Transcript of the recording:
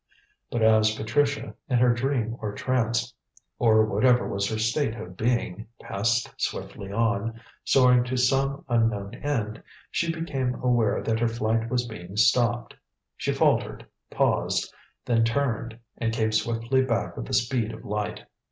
But as Patricia, in her dream or trance, or whatever was her state of being, passed swiftly on, soaring to some unknown end, she became aware that her flight was being stopped. She faltered, paused, then turned, and came swiftly back with the speed of light.